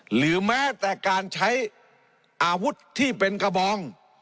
หรือแม้แต่การใช้อาวุธที่เป็นกระบอง